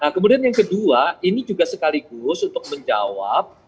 kemudian yang ke dua ini juga sekaligus untuk menjawab